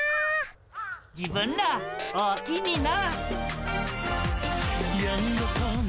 自分らおおきにな。